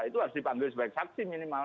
itu harus dipanggil sebagai saksi minimal